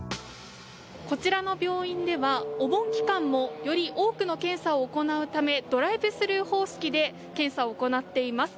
こちらの病院ではお盆期間もより多くの検査を行うためドライブスルー方式で検査を行っています。